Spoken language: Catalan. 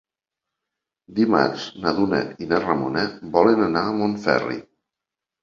Dimarts na Duna i na Ramona volen anar a Montferri.